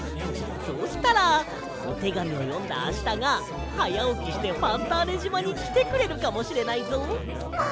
そうしたらおてがみをよんだあしたがはやおきしてファンターネじまにきてくれるかもしれないぞ。